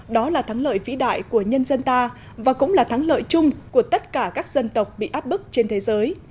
đó là thắng lợi vĩ đại của nhân dân ta và cũng là thắng lợi chung của tất cả các dân tộc bị áp bức trên thế giới